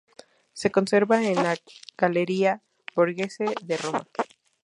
Se conserva en la Galería Borghese de Roma.